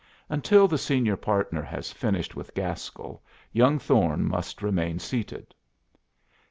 Until the senior partner has finished with Gaskell young Thorne must remain seated.